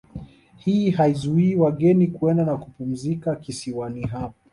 Hii haizuii wageni kwenda na kupumzika kisiwani hapo